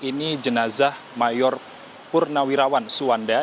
ini jenazah mayor purnawirawan suwanda